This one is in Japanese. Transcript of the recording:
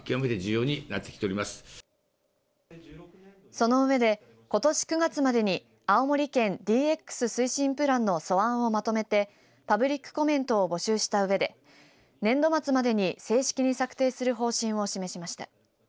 その上でことし９月までに青森県ＤＸ推進プランの素案をまとめてパブリックコメントを募集したうえで年度末までに正式に策定する方針を示しました。